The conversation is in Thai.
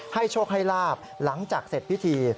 โชคให้ลาบหลังจากเสร็จพิธี